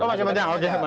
oh masih panjang